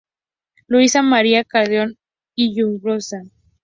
Luisa María Calderón Hinojosa.